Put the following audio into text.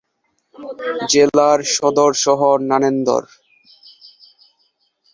জেলার সদর শহর নান্দেড়।